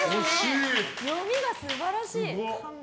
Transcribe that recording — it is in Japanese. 読みが素晴らしい。